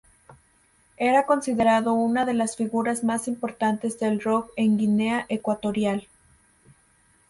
Era considerado una de las figuras más importantes del "rock" en Guinea Ecuatorial.